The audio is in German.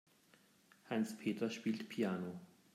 Hans-Peter spielt Piano.